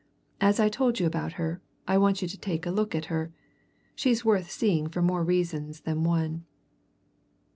As I told you about her, I want you to take a look at her she's worth seeing for more reasons than one."